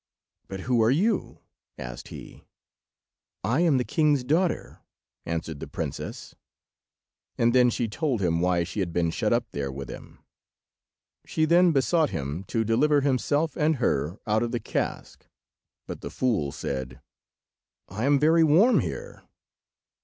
"But who are you?" asked he. "I am the king's daughter," answered the princess; and then she told him why she had been shut up there with him. She then besought him to deliver himself and her out of the cask, but the fool said— "I am very warm here."